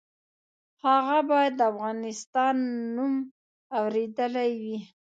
هغه باید د افغانستان نوم اورېدلی وي.